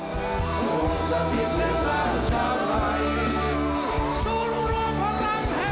สูรุรวรรครรมแห่งแม่นดี